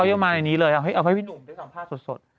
ยังมาในนี้เลยเอาให้พี่หนุ่มได้สัมภาษณ์สด